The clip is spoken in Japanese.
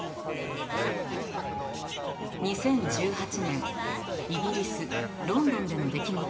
２０１８年イギリス・ロンドンでの出来事です。